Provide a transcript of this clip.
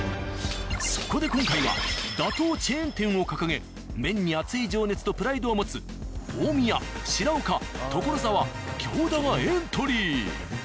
そこで今回は打倒チェーン店を掲げ麺に熱い情熱とプライドを持つ大宮白岡所沢行田がエントリー。